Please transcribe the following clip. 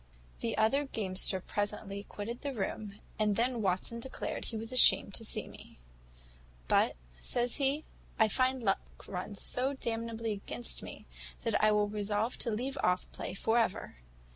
"The other gamester presently quitted the room, and then Watson declared he was ashamed to see me; `but,' says he, `I find luck runs so damnably against me, that I will resolve to leave off play for ever.